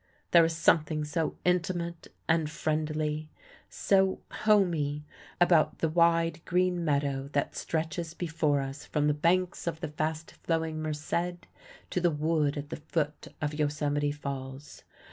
There is something so intimate and friendly so "homey" about the wide, green meadow that stretches before us from the banks of the fast flowing Merced to the wood at the foot of Yosemite Falls.